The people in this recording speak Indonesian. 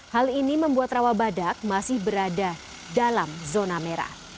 hal ini membuat rawabadak masih berada dalam zona merah